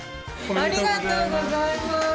おめでとうございます。